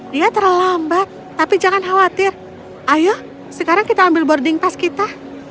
dia terlambat tapi jangan khawatir ayo sekarang kita ambil boarding pass kita